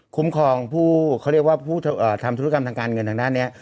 ครองผู้เขาเรียกว่าผู้ทำธุรกรรมทางการเงินทางด้านนี้